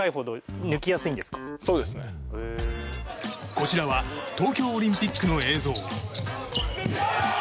こちらは東京オリンピックの映像。